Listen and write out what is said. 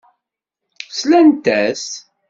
Slant-as.